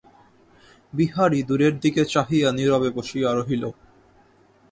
বিহারী দূরের দিকে চাহিয়া নীরবে বসিয়া রহিল।